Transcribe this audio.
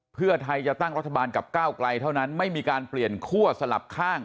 เพื่อไทยจะตั้งรัฐบาลกับก้าวไกลเท่านั้นไม่มีการเปลี่ยนคั่วสลับข้าง